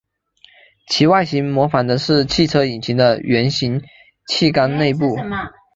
其外形模仿的是汽车引擎的圆形汽缸内部。